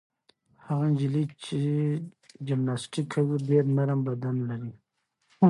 هغه نجلۍ چې جمناسټیک کوي ډېر نرم بدن لري.